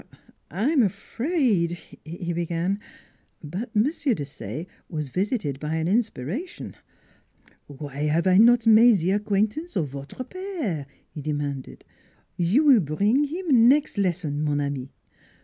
" I'm afraid " he began. But M. Desaye was yisited by an inspiration. " Why have I not made ze acquaintance of votre pere? " he demanded. "You will bring him next lesson, mon ami.